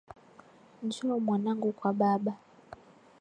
Njoo Mwanangu Kwa Baba.